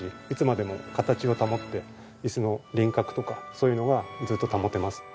いつまでも形を保って椅子の輪郭とかそういうのがずっと保てます。